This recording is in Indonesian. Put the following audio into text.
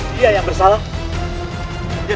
dia yang bersalah